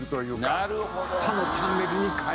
なるほど。